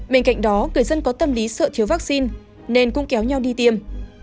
bên cạnh đó người dân có tâm lý sợ thiếu vaccine nên cũng kéo nhau đi tiêm